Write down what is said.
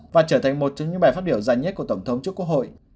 và trở thành một trong những bài phát biểu dài nhất của tổng thống trước quốc hội